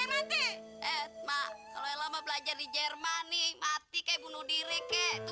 teratetst mak kalau lama belajar di jerman nih mati kayak bunuh diri ke itu